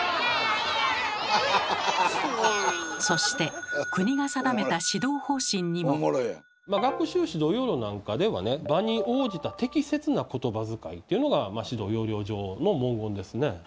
そして学習指導要領なんかではね「場に応じた適切なことばづかい」というのが指導要領上の文言ですね。